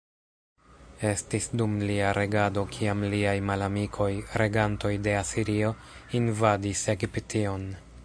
Estis dum lia regado kiam liaj malamikoj, regantoj de Asirio, invadis Egiption.